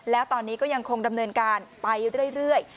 แล้วตอนนี้ก็ยังคงดำเนินการไปเรื่อย